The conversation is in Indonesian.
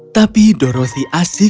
tapi doroth asyik melihat kucing itu